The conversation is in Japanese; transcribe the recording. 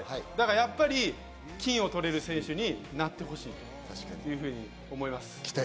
やっぱり金を取れる選手になってほしいというふうに思います。